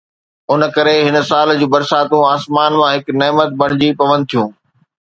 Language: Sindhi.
ان ڪري هن سال جون برساتون آسمان مان هڪ نعمت بڻجي پون ٿيون.